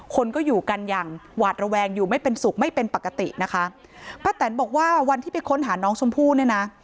คนก็อยู่กันอย่างหวาดระแวงอยู่ไม่เป็นสุขไม่เป็นปกตินะคะป้าแตนบอกว่าวันที่ไปค้นหาน้องชมพู่เนี่ยนะ